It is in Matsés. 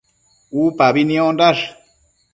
Upabi niondash